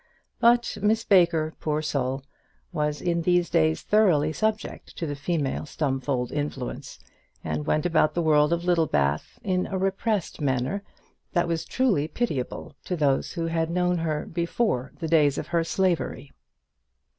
But Miss Baker, poor soul, was in these days thoroughly subject to the female Stumfold influence, and went about the world of Littlebath in a repressed manner that was truly pitiable to those who had known her before the days of her slavery.